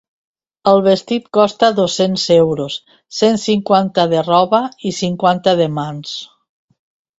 El vestit costa dos-cents euros: cent cinquanta de roba i cinquanta de mans.